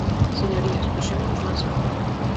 Señorías, puxémonos mans á obra.